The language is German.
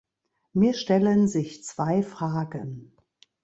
Mir stellen sich zwei Fragen.